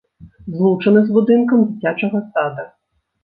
Злучаны з будынкам дзіцячага сада.